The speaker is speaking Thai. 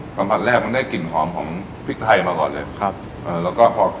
สัมผัสแรกมันได้กลิ่นหอมของพริกไทยมาก่อนเลยครับอ่าแล้วก็พอ